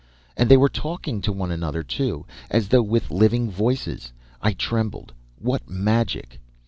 And they were talking one to another, too, as though with living voices! I trembled. What magic!